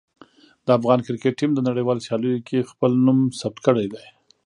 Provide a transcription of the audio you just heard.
د افغان کرکټ ټیم د نړیوالو سیالیو کې خپل نوم ثبت کړی دی.